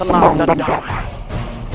tenang dan damai